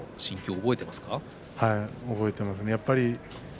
覚えてますね。